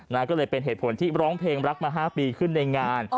นะก็เลยเป็นเหตุผลที่ร้องเพลงรักมา๕ปีขึ้นในงาน